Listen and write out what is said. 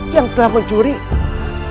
yang telah mencuri orang lain